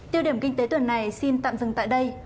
tiêu điểm kinh tế tuần này xin tạm dừng tại đây